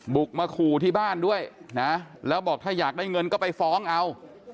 บุกมาขู่ที่บ้านด้วยนะแล้วบอกถ้าอยากได้เงินก็ไปฟ้องเอา